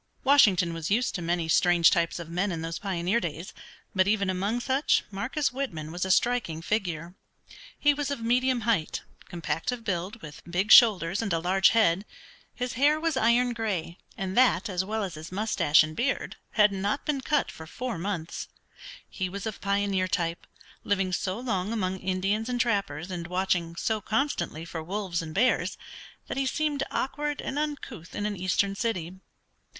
Washington was used to many strange types of men in those pioneer days, but even among such Marcus Whitman was a striking figure. He was of medium height, compact of build, with big shoulders and a large head. His hair was iron gray, and that, as well as his moustache and beard, had not been cut for four months. He was of pioneer type, living so long among Indians and trappers, and watching so constantly for wolves and bears, that he seemed awkward and uncouth in an eastern city.